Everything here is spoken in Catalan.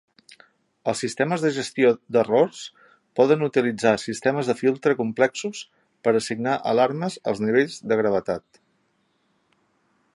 Els sistemes de gestió d'errors poden utilitzar sistemes de filtre complexos per assignar alarmes als nivells de gravetat.